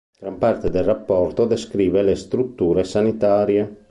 Gran parte del rapporto descrive le strutture sanitarie.